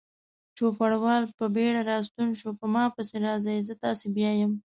چوپړوال په بیړه راستون شو: په ما پسې راځئ، زه تاسې بیایم.